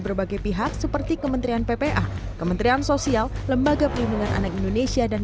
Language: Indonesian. berbagai pihak seperti kementerian ppa kementerian sosial lembaga perlindungan anak indonesia dan